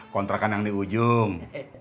kontrakan yang di ujung